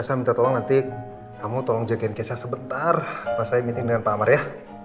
saya minta tolong nanti kamu tolong jagain kisah sebentar pas saya meeting dengan pak amar ya